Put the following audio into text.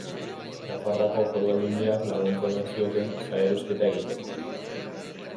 Nafarroako Foru Aldundiak laguntza eman zioten salerosketa egiteko.